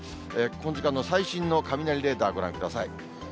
この時間の最新の雷レーダー、ご覧ください。